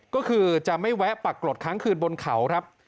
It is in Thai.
ก็คือจะไม่แวะปักกรดค้างคืนบนเขาครับ